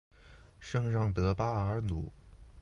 圣让德巴尔鲁。